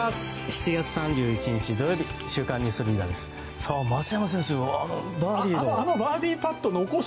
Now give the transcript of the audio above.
７月３１日、土曜日「週刊ニュースリーダー」です。